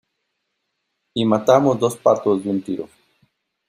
y matamos dos patos de un tiro.